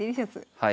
はい。